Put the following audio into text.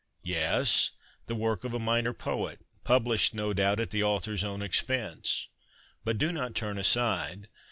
Yes ; the work of a minor poet, published, no doubt, at the author's own expense. But do not turn aside.